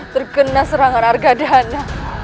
terkena serangan argadana